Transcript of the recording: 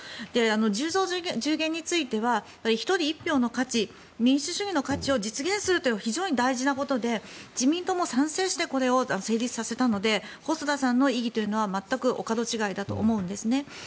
１０増１０減については１人１票の価値民主主義の価値を実現するという大事なことで自民党も賛成してこれを成立させたので細田さんの異議は全くお門違いだと思うんです。